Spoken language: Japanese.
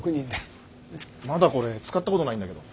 まだこれ使ったことないんだけど。